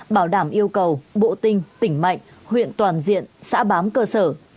bảo đảm yêu cầu bộ tinh tỉnh mạnh huyện toàn diện xã bám cơ sở